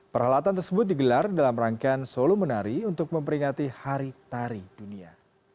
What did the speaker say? peralatan tersebut digelar dalam rangkaian solo menari untuk memperingati hari tari dunia